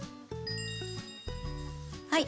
はい。